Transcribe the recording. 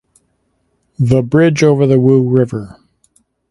The bridge over the Wu River.